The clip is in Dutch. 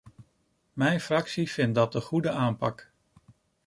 Mijn fractie vindt dat de goede aanpak.